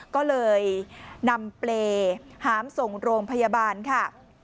ก็เลยนำเปรย์หามส่งโรงพยาบาลค่ะ